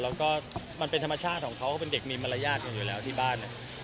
แล้วก็มันเป็นธรรมชาติของเขาก็เป็นเด็กมีมารยาทกันอยู่แล้วที่บ้าน